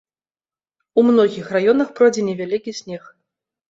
У многіх раёнах пройдзе невялікі снег.